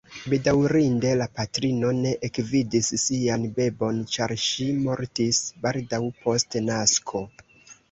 Bedaŭrinde la patrino ne ekvidis sian bebon, ĉar ŝi mortis baldaŭ post nasko.